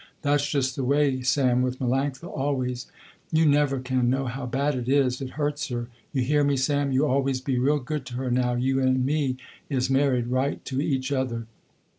That's just the way Sam with Melanctha always, you never can know how bad it is, it hurts her. You hear me Sam, you always be real good to her now you and me is married right to each other."